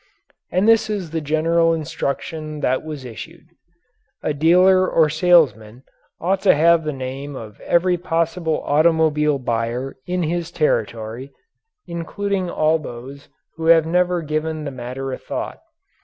And this is the general instruction that was issued: A dealer or a salesman ought to have the name of every possible automobile buyer in his territory, including all those who have never given the matter a thought.